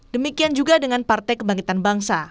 demikian juga dengan partai kebangkitan bangsa